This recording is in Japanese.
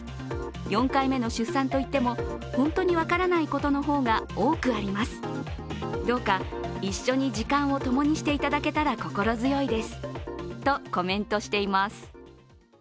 ４回目の出産といっても本当に分からないことの方が多くあります、どうか一緒に時間を共にしていただけたら心強いですとコメントしています。